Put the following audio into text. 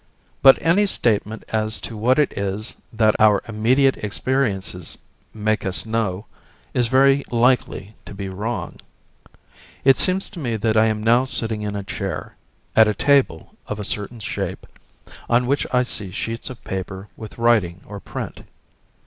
But any statement as to what it is that our immediate experiences make us know is very likely to be wrong. It seems to me that I am now sitting in a chair, at a table of a certain shape, on which I see sheets of paper with writing or print.